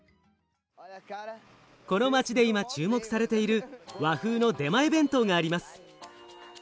この街で今注目されている和風の出前弁当があります。